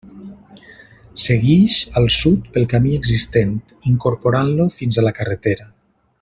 Seguix al sud pel camí existent, incorporant-lo fins a la carretera.